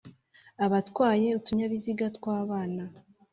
abatwaye utunyabiziga twabana